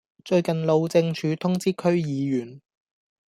最近路政署通知區議員